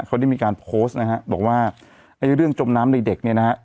เขาได้มีการโพสต์นะฮะบอกว่าไอ้เรื่องจมน้ำในเด็กเนี่ยนะฮะ